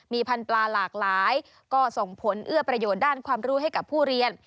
มีพันธุ์ปลาหลากหลายก็ส่งผลเอื้อประโยชน์ด้านความรู้ให้กับผู้เรียน